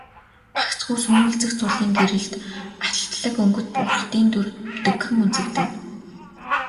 Гагцхүү сүүмэлзэх зулын гэрэлд алтлаг өнгөт бурхдын дүр бүдэгхэн үзэгдэнэ.